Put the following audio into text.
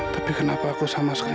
tapi kenapa aku sama sekali